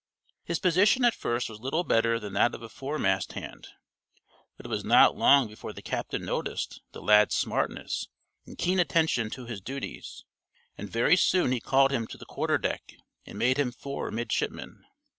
His position at first was little better than that of a foremast hand, but it was not long before the captain noticed the lad's smartness and keen attention to his duties, and very soon he called him to the quarterdeck and made him fore midshipman.